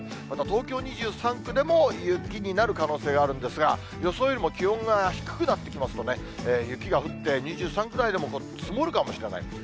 また東京２３区でも雪になる可能性があるんですが、予想よりも気温が低くなってきますとね、雪が降って、２３区内でも積もるかもしれない。